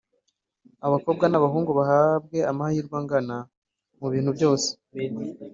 abakobwa n’abahungu bahabwe amahirwe angana mu bintu byose.